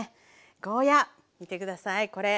ゴーヤー見てくださいこれ。